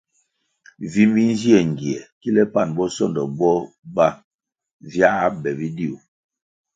Vi minzie ngie kile pan bosondo bo ba viā be bidiu.